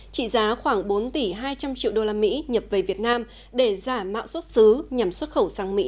trị giá khoảng bốn tỷ hai trăm linh triệu đô la mỹ nhập về việt nam để giả mạo xuất xứ nhằm xuất khẩu sang mỹ